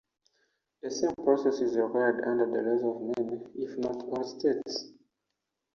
The same process is required under the laws of many, if not all, states.